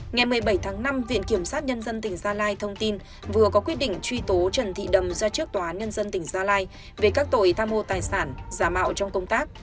ngày một mươi bảy tháng năm viện kiểm sát nhân dân tỉnh gia lai thông tin vừa có quyết định truy tố trần thị đầm ra trước tòa án nhân dân tỉnh gia lai về các tội tham mô tài sản giả mạo trong công tác